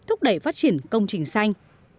thúc đẩy phát triển công trình xanh